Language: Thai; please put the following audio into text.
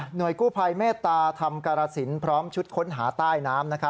กู้ภัยเมตตาธรรมกรสินพร้อมชุดค้นหาใต้น้ำ